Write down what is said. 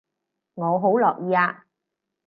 我好樂意啊